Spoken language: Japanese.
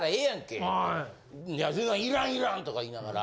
「そんなんいらんいらん」とか言いながら。